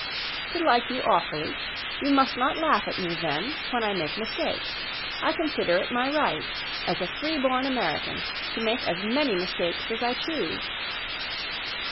"To like you awfully? You must not laugh at me, then, when I make mistakes. I consider it my right as a freeborn American to make as many mistakes as I choose."